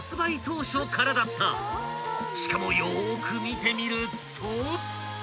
［しかもよーく見てみると］